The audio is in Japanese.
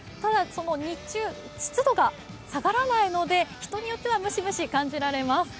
日中、湿度が下がらないので人によってはムシムシ感じられます。